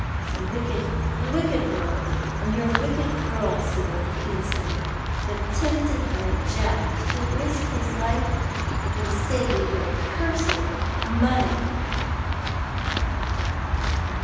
It's a wicked world — and you're a wicked girl, Sibyl Higginson, to have tempted my Jack to risk his life for the sake of your cursed money."